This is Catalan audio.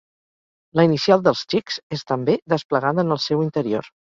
La inicial dels Xics és, també, desplegada en el seu interior.